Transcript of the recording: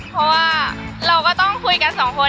เพราะว่าเราก็ต้องคุยกันสองคน